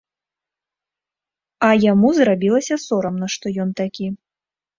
А яму зрабілася сорамна, што ён такі.